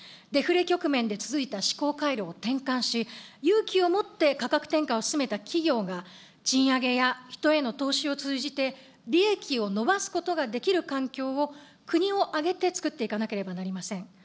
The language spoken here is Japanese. デフレ局面で続いた思考回路を展開し、勇気を持って価格転嫁を進めた企業が、賃上げや人への投資を通じて、利益を伸ばすことができる環境を、国を挙げてつくっていかなければなりません。